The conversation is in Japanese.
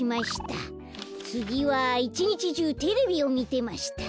つぎは「いち日じゅうてれびをみてました」。